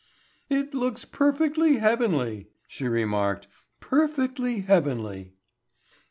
"It looks perfectly heavenly," she remarked. "Perfectly heavenly."